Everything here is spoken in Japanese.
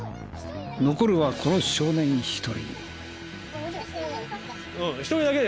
残るはこの少年１人。